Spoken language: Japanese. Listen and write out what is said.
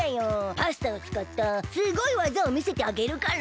パスタをつかったすごいわざをみせてあげるから。